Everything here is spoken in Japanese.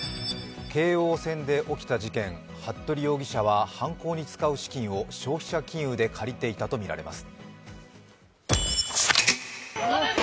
京王線で起きた事件、服部容疑者は犯行に使う資金を消費者金融で借りていたとみられます。